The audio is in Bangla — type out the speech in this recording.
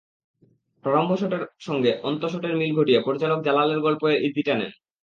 প্রারম্ভ শটের সঙ্গে অন্তশটের মিল ঘটিয়ে পরিচালক জালালের গল্প-এর ইতি টানেন।